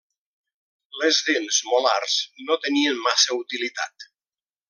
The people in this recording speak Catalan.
Les dents molars no tenien massa utilitat.